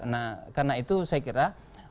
nah karena itu saya kira